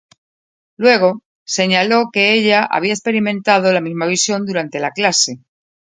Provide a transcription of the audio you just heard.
Luego, señaló que ella había experimentado la misma visión durante la clase.